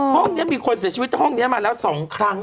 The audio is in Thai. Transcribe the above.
ห้องเนี้ยมีคนใส่ชีวิตห้องเนี้ยมาแล้วสองครั้ง